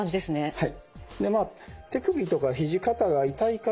はい。